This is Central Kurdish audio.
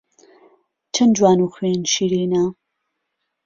چەن جوان و خوێن شیرینە